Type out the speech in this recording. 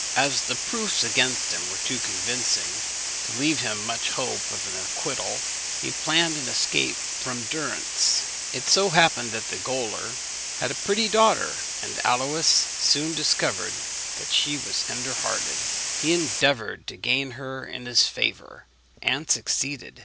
As the proofs against him were too convincing to leave him much hope of an acquittal, he planned an escape from durance. It so happened that the gaoler had a pretty daughter, and Aluys soon discovered that she was tender hearted. He endeavoured to gain her in his favour, and succeeded.